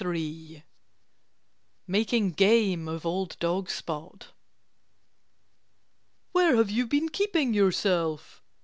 XXIII MAKING GAME OF OLD DOG SPOT "Where have you been keeping yourself?"